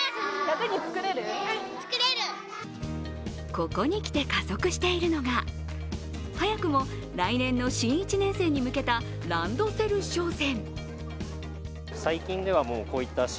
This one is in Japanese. ここにきて加速しているのが早くも来年の新１年生に向けたランドセル商戦。